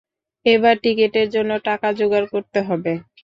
এবার টিকেটের জন্য টাকা জোগাড় করতে হবে।